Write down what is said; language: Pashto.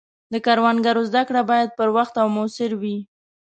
د کروندګرو زده کړې باید پر وخت او موثر وي.